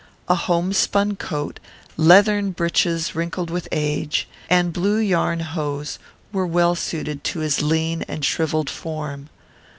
A homespun coat, leathern breeches wrinkled with age, and blue yarn hose, were well suited to his lean and shrivelled form.